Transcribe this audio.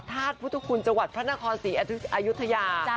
ธาตุพุทธคุณจังหวัดพระนครศรีอายุทยา